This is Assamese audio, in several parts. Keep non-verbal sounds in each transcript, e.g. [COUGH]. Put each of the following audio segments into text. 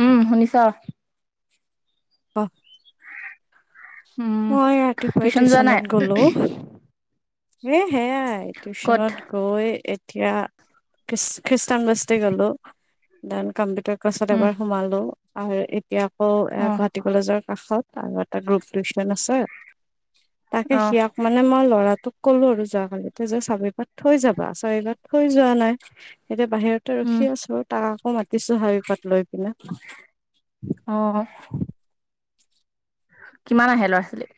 উম শুনিছ অ উম মই ৰাতিপুৱাই টিউচন যোৱা নাই টিউচনত গ'লো এ সেয়াই ক'ত টিউচনত গৈ এতিয়া খ্ৰী খ্ৰীষ্টানবষ্টি গলো দেন কম্পিউটাৰ গছত উম এবাৰ সোমালো আৰু এতিয়া আকৌ এ অ গুৱাহাটী কলেজৰ কাষত আৰু এটা গ্ৰুপ [UNINTELLIGIBLE] নেনাছে, তাকে অ সিয়াক মানে মই ল'ৰাটোক ক'লো আৰু যোৱাকালি তই যে চাবি পাত থৈ যাবা চাবি পাত থৈ যোৱা নাই। এতিয়া বাহিৰতে উম ৰখি আছো তাক আকৌ মাতিছো শাৰী পাত লৈ পিনে। অ। কিমান আহে ল'ৰা ছোৱালী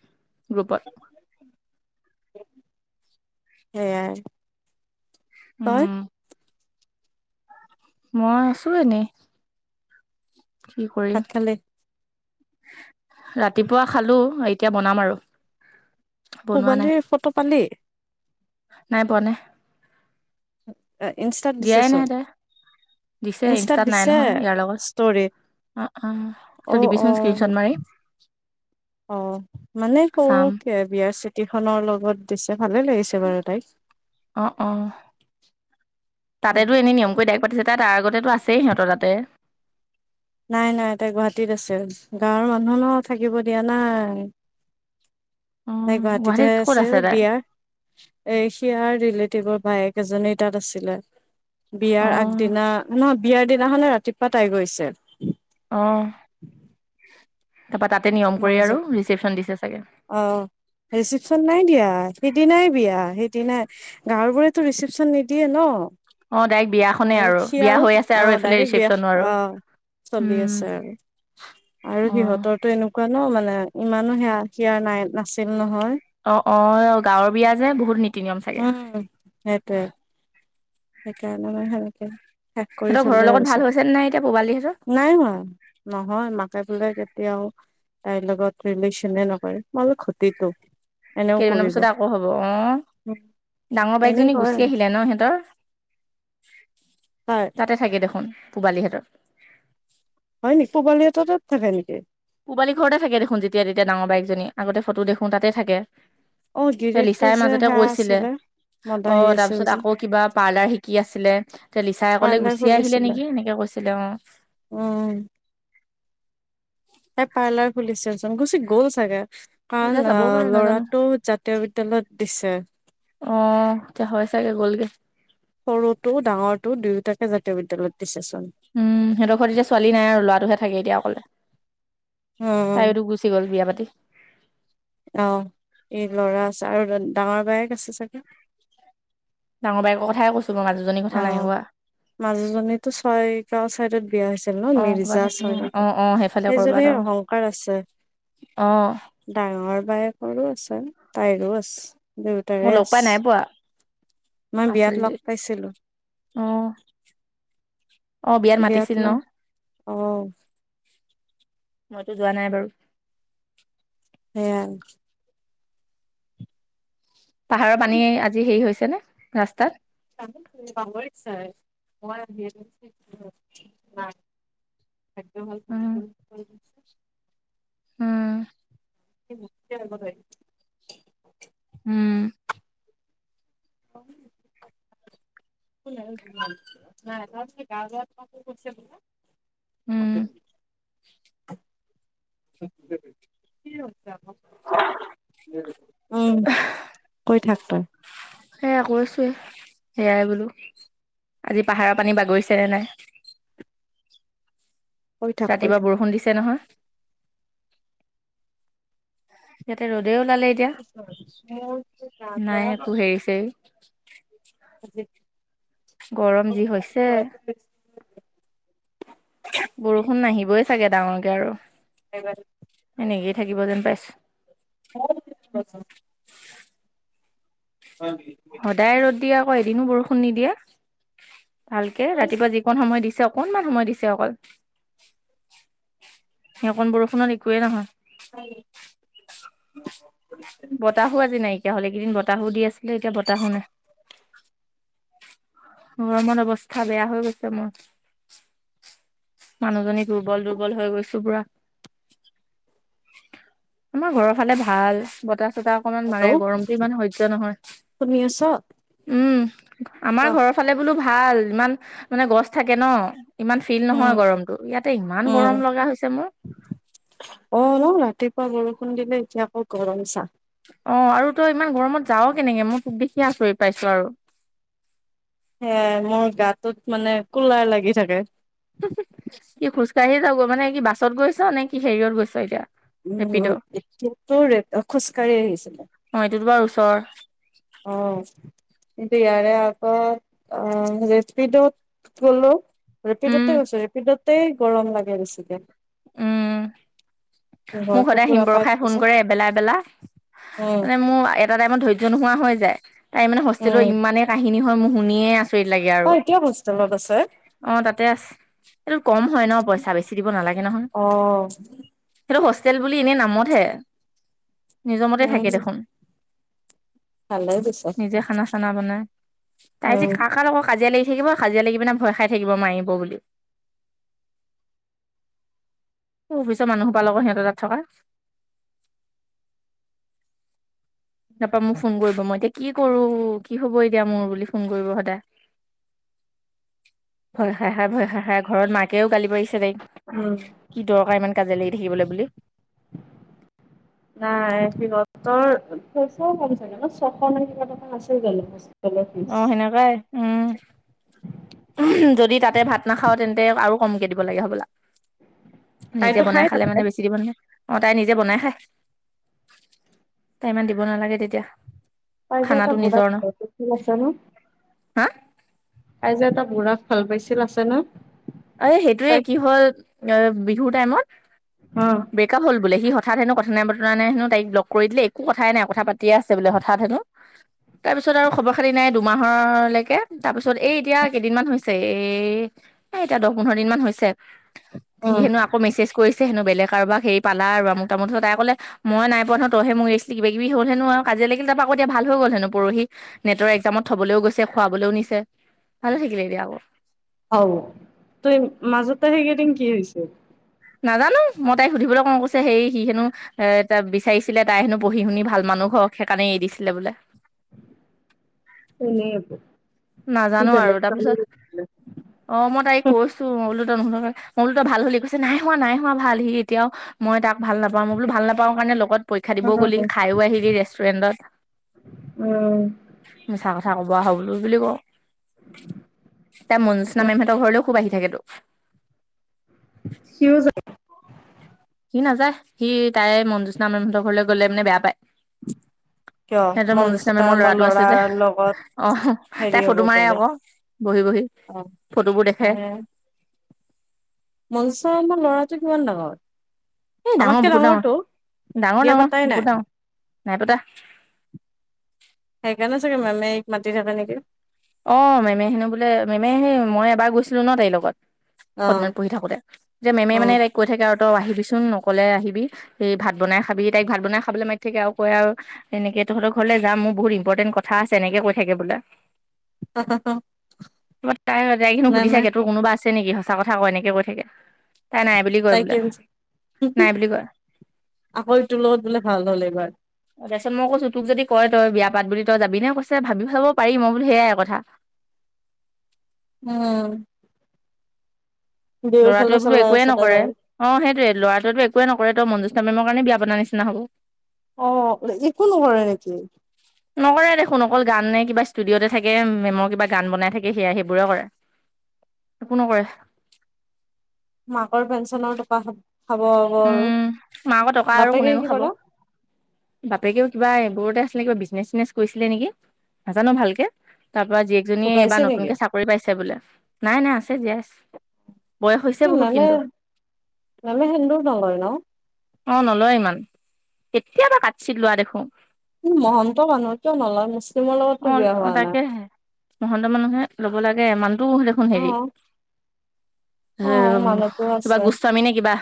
গ্ৰুপত? সেইয়াই তই? উম মই আছো এনেই কি কৰিম। ভাত খালি ৰাতিপুৱা খালো এতিয়া বনাম আৰু। বনোৱা নাই সোবালীৰ ফটো পালি। নাই পোৱা নাই। ইনষ্টাত দিছে দিয়াই নাই চোন, তাই দিছে ইনষ্টাত নাই দিছে নহয় ইয়াৰ লগত ষ্টৰিত। অ অ ত অ', টিভিছন স্ক্ৰনশট অ', মাৰি। অ মানে সৰু চাম কে বিয়াৰ চিঠি খনৰ লগত দিছে ভালে লাগিছে। বাৰু তাইক। অ অ তাতেতো এনে নিয়ম কৰি দাইক পাতিছে ত আগতেতো আছেই সিহঁতৰ তাতে। নাই নাই তাই গুৱাহাটীত আছে। গাঁৱৰ মানুহ ন থাকিব দিয়া নাই। অ তাই গুৱাহাটীতে গুৱাহাটীত ক'ত আছিল আছে তাই বিয়া। এ সিয়াৰ ৰিলেটিভৰ বায়েক এজনী তাত আছিলে। অ বিয়াৰ আগদিনা নহয় বিয়াৰ দিনা খনে ৰাতিপুৱা তাই গৈছে। অঁ তাপা তাতে নিয়ম কৰি মই যে আৰু ৰিচীপশ্যন দিছে চাগে। অ ৰিচিপচন নাই দিয়া, সেইদিনাই বিয়া সেইদিনাই গাঁৱৰ বোৰেতো ৰিচিপচন নিদিয়ে ন। অ ডাইৰেক্ট বিয়াখনে আৰু সি বিয়া আৰু হৈ আছে অ এইফালে ডাইৰেক্ট বিয়া ৰিচেপচনো আৰু আহ চলি উম আছে আৰু, আৰু অ সিহঁতৰ ত এনেকুৱা ন মানে ইমানো সেয়া সিয়া নাই নাছিল নহয়। অ অ গাঁৱৰ বিয়া যে বহুত নি উম সেইটোৱে সেইকাৰণে মই ভালকে হেতৰ ঘৰৰ লগত ভাল হৈছে নাই এতিয়া পুবালি হতৰ। নাই হোৱা, নহয় মাকে বোলে কেতিয়াও তাইৰ লগত ৰিলেশ্যনে এ নকৰে, মই বোলো ঘতি তো। কেইদিনমানৰ পিছত আকৌ হ'ব, অহ, ডাঙৰ এনেই বায়েকজনী কয় গুচি আৰু আহিলে ন সিহঁতৰ? [INAUDIBLE] হয়। তাতে থাকে দেখোন পূবালীহেতৰ। হয় নি পূবালী হেতৰ তাত থাকে নেকি? পুবালী ঘৰতে থাকে দেখোন যেতিয়া তেতিয়া ডাঙৰ বায়েকজনী আগতে ফটো দেখোঁ তাতে থাকে। অ গিৰিয়েকটো লিচাই যে মাজতে সেয়া কৈছিলে। আছিলে অ মদাহী তাৰ আছিল পিছত যে আকৌ কিবা পাৰ্লাৰ শিকি আছিলে, তে লিচাই কলে পাৰ্লাৰ গুচি আহিলে খুলিছিলে নেকি এনেকে কৈছিল। এতিয়া উম। উম। তাই পাৰ্লাৰ খুলিচে চোন, গুচি গ'ল চাগে। কাৰণ তেতিয়া যাবও পাৰে নাজানো ল'ৰাটো জাতীয় বিদ্যালয়ত দিছে। অ এতিয়া হয় চাগে গ'লগে। সৰুটো ডাঙৰটো দুয়োটাকে জাতীয় বিদ্যালয়ত দিছেচোন। উম সিহঁতৰ ঘৰত এতিয়া ছোৱালী নাই আৰু ল'ৰাটোহে থাকে এতিয়া অকলে। উম তাইওতো গুচি গ'ল বিয়া পাতি। অ, এই ল'ৰা আছে আৰু ডাঙৰ বায়েক আছে চাগে! ডাঙৰ বাইকৰ কথাই কৈছোঁ মই মাজু জনীৰ কথা নাই অ' কোৱা। মাজুজনীতো ছয় গাঁও চাইদত বিয়া হৈছিল ন অ', ক'ৰবাত মিৰ্জা সেইফালে ছয়গাও অ', অ', - সেইফালে ক'ৰবাত সেইজনীৰ অ', অহংকাৰ আছে। অ। ডাঙৰ বায়েকৰো আছে তাইৰো আছে মই দুইতাৰে লগ আছে। পাই নাই পোৱা মই বিয়াত লগ আচলতে পাইছিলো। অ। অ বিয়াত মাতিছিল ন। অ' মইতো যোৱা নাই বাৰু! সেয়াই পাহাৰৰ পানী আজি হেৰি হৈছেনে ৰাস্তাত? [UNINTELLIGIBLE] ভাগ্য ভাল উম, [UNINTELLIGIBLE] উম। সি মোতকে আগত আহি - উম। [UNINTELLIGIBLE] [UNINTELLIGIBLE] উম, [UNINTELLIGIBLE] [UNINTELLIGIBLE] কি হৈছে আকৌ উম, কৈ থাক তই সেয়া কৈছোৱে সেয়াই বোলো। আজি পাহাৰৰ পানী বাগৰিছেনে নাই? কৈ থাক, কৈ ৰাতিপুৱা থাক। বৰষুণ দিছে নহয়? ইয়াতে ৰ'দে ওলালে এতিয়া, নাই একো হেৰি ছেৰি [UNINTELLIGIBLE] গৰম যি হৈছে। বৰষুণ নাহিবই চাগে ডাঙৰকে আৰু। এইবাৰ এনেকেই থাকিব যেন পাইছোঁ। [UNINTELLIGIBLE] হয় নেকি? সদাই ৰ'দ দিয়ে আকৌ এদিনো বৰষুণ নিদিয়ে ভালকে, ৰাতিপুৱা যি অকণ সময় দিছে অকণমান সময় দিছে অকল। হেকন বৰষুণত একোৱেই নহয়। [UNINTELLIGIBLE] বতাহো আজি নাই- কীয়া হলে, এই কেইদিন বতাহো দি আছিলে এতিয়া বতাহো নাই। গৰমত অৱস্থা বেয়া হৈ গৈছে মোৰ। মানুহজনী দুৰ্বল দুৰ্বল হৈ গৈছো পুৰা। আমাৰ ঘৰৰ ফালে ভাল বতাহ চতাহ - অকনমান মাৰে গৰমটো ইমান সহ্য নহয়। শুনি আছ? উম, ক আমাৰ ঘৰত ফালে বোলো ভাল ইমান মানে, গছ থাকে ন'। ইমান ফিল উম, নহয় গৰমটো। ইয়াতে ইমান গৰম লগা হৈছে মোৰ। অঁ, ন'? ৰাতিপুৱা বৰষুণ দিলে এতিয়া আকৌ গৰম চা! অঁ, আৰু তই ইমান গৰমত যাৱ কেনেকে। মই তোক দেখিয়ে আচৰিত পাইছো আৰু। সেয়াই মোৰ গাটোত মানে কুলাৰ লাগি থাকে। হুঁহ্ হুঁহ্, কি খোজকাঢ়ি যাৱ গৈ মানে, কি বাছত গৈছ নে কি হেৰিয়ত গৈছ এতিয়া? ৰেপিড' উম, অ এতিয়া তোৰ ৰে আ খোজকাঢ়ি আহিছিলোঁ। অঁ, এইটোত বাৰু ওচৰৰ। অঁ। কিন্তু ইয়াৰে আগত অঁ, ৰেপিডত গ'লো উম ৰেপিডতে গৈছোঁ, ৰেপিডতেই গৰম লাগে বেছিকে। উম। মোক ঘৰটো সদায় পুৰা পাই হিমবৰষাই ফোন থাকিছে। কৰে এবেলা এবেলা। উম, মানে মোৰ আ এ এটা টাইমত ধৈয্য নোহোৱা হৈ যায়। তাই মানে হোষ্টেলৰ উম, ইমানেই কাহিনী হয়। মোৰ শুনিয়ে আছ তই এতিয়াও গছ তলত আছে? অঁ, তাতে আছে। এইটোত কম হয় ন' পইচা বেছি দিব নালাগে। নহয় অঁ। সেইটো হোষ্টেল বুলি এনেই নামতহে, নিজৰ মতে উম, থাকে দেখোন। ভালেই পিছে। নিজে খানা বনাই। তাই যে উম। কাৰ কাৰ লগত কাজিয়া লাগি থাকিব। কাজিয়া লাগি পিনাই ভয় খাই থাকিব মাৰিব বুলি। অফিচৰ মানুহসোপাৰ লগত সিহঁতৰ তাত থকা। তাপা মোক ফোন কৰিব। মই এতিয়া কি কৰোঁ, কি হ'ব এতিয়া মোৰ বুলি ফোন কৰিব সদায়। ভয় খাই খাই, ভয় খাই খাই ঘৰত মাকেও গালি পাৰিছে তাইক। উম। কি দৰকাৰ ইমান কাজিয়া লাগি থাকিবলে বুলি। নাই সিহঁতৰ পইচাও কম চাগে ন'? ছশ মান কিবা টকা আছিল চাগে পইচা? অঁ, সেনেকুৱাই, উম। উমহ্, যদি তাতে ভাত নাখাৱ তেন্তে আৰু কমকে দিব লাগে হ'বলা? নিজে তাইতো বনাই খাই খালে থাকে। মানে বেছি দিব নালাগে। অঁ, তাই নিজে বনাই খায়। তাই ইমান দিব নালাগে তেতিয়া। তাই যে এটা খানাটো বুঢ়াক ভাল পাইছিল আছে ন '? হাঁ? তাই যে এটা বুঢ়াক ভাল পাইছিল আছে ন'? অ এই সেইটোৱে তাইক কি হ'ল? অঁ, বিহুৰ টাইমত অঁ। ব্ৰেক আপ হ'ল বোলে। সি হঠাৎ হেনো কথা নাই-বতৰা নাই হেনো তাইক ব্লক কৰি দিলে। একো কথা পাত্ তিয়ে আছে বোলে। হঠাৎ হেনো তাৰপিছত আৰু খবৰ-খাতি নাই দুমাহৰলৈকে তাৰপিছত এই এতিয়া কেইদিনমান হৈছে এ এ এতিয়া দহ, পোন্ধৰ দিন মান হৈছে। অ সি হেনো আক্ আকৌ মেছেজ কৰিছে হেনো। বেলেগ কাৰোবাক হেৰি পালা আৰু আমোক-তামোক তাৰপিছত তাই ক'লে মই নাই পোৱা নহয় তইহে মোক এৰিছিলি। কিবা-কিবি হ'ল হেনো আৰু কাজিয়া লাগিল। তাৰপৰা আকৌ এতিয়া ভাল হৈ গ'ল হেনো পৰহি নেটৰ এক্সামত থ'বলৈও গৈছে, খোৱাবলৈও নিছে ভালে থাকিলেগে আক'। আও ত' এই মাজতে সেইকেইদিন কি হৈছে? নাজানো মই তাই সুধিবলৈ কওঁ কৈছে হে সি হেনো। এ এটা বিচাৰিছিলে তাই হেনো পঢ়ি শুনি ভাল মানুহ হক সেইকাৰণে এৰি দিছিলে বোলে। তেনে আপ। নাজানো আৰু তাৰপিছত। অ', মই তাইি কৈছো মৌলদোত নোল মলদত ভাল হলি কৈছে নাই হোৱা নাই হোৱা ভাল সি এতিয়াও। মই তাক ভাল নাপাওঁ মই বোলো ভাল নাপাওঁ কাৰণে লগত। পৰীক্ষা দিবও গ'লি খাইও আহিলি ৰেষ্টুৰেণ্টত। উম মিছা কথা কব আহ বুলি কওঁ। ত মনজনামেমহঁতেৰ খুব আহি থাকেতো। শিউজ [INAUDIBLE] সি নাযায় সি তাই মনজোচনা মেমহঁতৰ ঘৰলৈ গলে মানে বেয়া পায়। কিয় সিহঁতে মনজোচনাা মনজুচা মেমৰ আমাৰ ল'ৰাটো আছে যে ল'ৰাৰ লগত অ হেৰি তাই হ'ব ফটো মাৰে বোলে আকৌ বহি বহি অ ফটোবোৰ দেখাই। মঞ্চ মেমেৰ ল'ৰাটো কিমান ডাঙৰত। এই ডাঙৰ বহুত ডাঙৰ ডাঙৰ বিয়া ডাঙৰ পাতাই নাই বহুত ডাঙৰ নাই পতা। সেইকাৰণে চাগে মেমে এইক মাতি থাকে নেকি। অ', মেমে হেনো বোলে মেমে সেই মই এবাৰ গৈছিলো ন তাইৰ লগত। অ [INAUDIBLE] পঢ়ি থাকোতে এতিয়া মেমে অ মানে তাইক। কৈ থাকে, আৰু তই আহিবিচোন নক'লে আহিবি এই ভাত বনাই খাবি তাইক ভাত বনাই খাবলৈ মাতি থাকে আৰু কয় আৰু। তেনেকে তহঁতৰ ঘৰলে যাম মোৰ বহুত ই্পৰ্টেণ্ট কথা আছে এনেকে কৈ থাকে বোলে। [UNINTELLIGIBLE] ত, তাই [INAUDIBLE] সুধি মেমে চাগে তোৰ কোনোবা আছে নেকি সঁচ কথায় এনেকে কৈ থে তাই নাই। বুলি কয় তাই কি বোলো নাই বুলি কয়। আকৌইটোৰ লগত বোলে ভাল হ'ল এইবাৰ। অ', তাৰপিছত মই কৈছো তোক যদি কয় তই বিয়া পাত বুলি তই যাবিে কৈছে ভাবি ভাব পাৰি মই ব বুলি সেয়াই কথা। অ। দুয়োফালে ল'ৰাটোৱে বোলো চলাই একোৱেই আছে তাত নকৰে। আৰু। অ সেইয়ে ল'ৰাতোৱেটো একোৱ নকৰে মঞ্জনা মেমৰ কাৰণে বিয়া পতা নিচিনা হব। অ একো নকৰে নেকি। নকৰে দেখোন অকল গান নে কিবা ষ্টুডিঅতে থাকে মেমৰ কিবা গান বনাই থাকে সেয়াাই সেইবোৰে কৰে। একো নকৰে। মাকৰ পেঞ্চনৰ টকা খাব আবৌ আৰু উম মাকৰ টকা আৰু বা পেকে কোনেনো কি খাব কৰে। বাপেকেও কিবা এইবোৰতে আছিলে কিবা বিজনেছ চিনেছ কৰিছিলে নেকি। নাজানো ভালকে তাৰ পৰা জীয়ে। জনিয়ে ঢুকাইছে এইবাৰ নেকি? নতুনকে চাকৰি পাইছে বোলে নাই নাই আছে জীয়াইছে। কি মেমে মেমে সেন্দুৰ নলয় ন। অ নলয় ইমান কেতিয়াবা কাটচিত লোৱা দেখো। মহন্ত মানুহটো নলয় মুছলিমৰ লগতো বিয়া অ হোৱা নাই। তাকেহে মহন্ত মানুহে লব লাগে ইমানতটো দেখোন হেৰি অ', অ', মানুহতো [INAUDIBLE] কিবা আছে। গোস্বামী নে কিবা।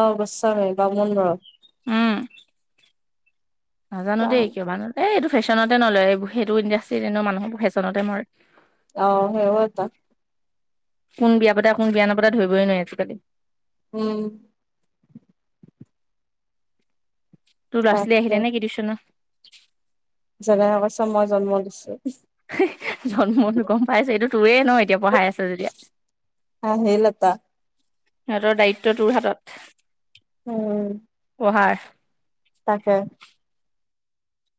অ গোস্বামী বামুন ঘৰৰ। উম নাজানো দেই অ', কিয় মানো। এই এইটো ফেশ্বনতে নলয় সেইটো ইণ্ডাষ্ট্ৰিত এনে মানুহৰ ফেশ্বনতে মৰে। অ সেই হয়তা। কোন বিয়া পতা কোন বিয়া নাপাতে ধৰিবই নোৱিৰি আজিকালি। উম। তোৰ লৰা ছোৱালী তাকে আহিলে নেকি টিউচনত জনাই কৈছে মই জন্ম দিছো। হে হে জন্মতো গম পাইছো এইটো তোৰেই ন এতিয়া পঢ়াই আছে। যেতিয়া। অ সেইলতা সিহঁতৰ দায়িত্ব তোৰ হাতত। উম। পঢ়াৰ। তাকে।